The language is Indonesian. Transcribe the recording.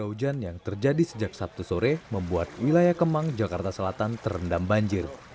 hujan yang terjadi sejak sabtu sore membuat wilayah kemang jakarta selatan terendam banjir